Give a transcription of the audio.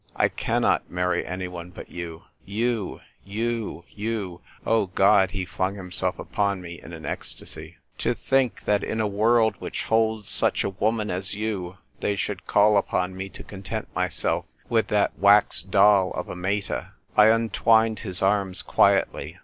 I cannot marry any one but you. You, you, you ! O, God," he flung himself upon me in an ecstasy, "to ENVOY PLENIPOTENTIARY. 247 think that in a world which holds such a woman as you they should call upon me to content myself with that wax doll of a Mcta !" I untwined his arms quietly.